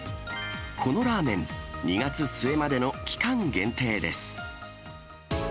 このラーメン、２月末までの期間限定です。